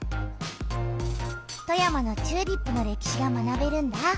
富山のチューリップの歴史が学べるんだ！